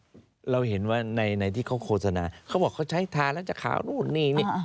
เราเห็นว่าในที่เขาโฆษณาเขาบอกเขาใช้ทาแล้วจะขาวนู่นนี่นี่